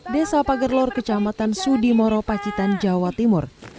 desa pagerlor kecamatan sudimoro pacitan jawa timur